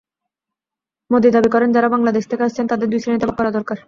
মোদি দাবি করেন, যাঁরা বাংলাদেশ থেকে আসছেন, তাঁদের দুই শ্রেণীতে ভাগ করা দরকার।